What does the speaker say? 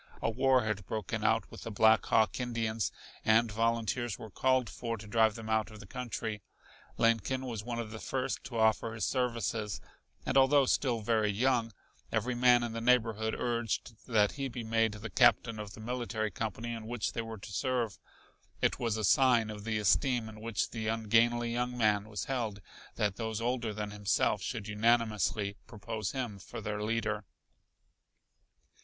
A war had broken out with the Black Hawk Indians, and volunteers were called for to drive them out of the country. Lincoln was one of the first to offer his services, and although still very young, every man in the neighborhood urged that he be made the captain of the military company in which they were to serve. It was a sign of the esteem in which the ungainly young man was held that those older than himself should unanimously propose him for their leader.